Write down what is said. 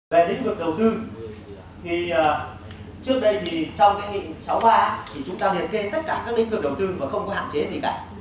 về lĩnh vực đầu tư thì trước đây thì trong cái nghị sáu mươi ba thì chúng ta liệt kê tất cả các lĩnh vực đầu tư và không có hạn chế gì cả